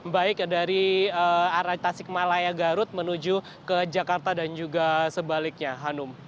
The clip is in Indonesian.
baik dari arah tasik malaya garut menuju ke jakarta dan juga sebaliknya hanum